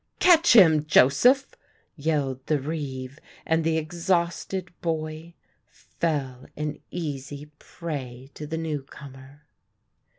"Catch him, Joseph," yelled the reeve, and the exhausted boy fell an easy prey to the newcomer.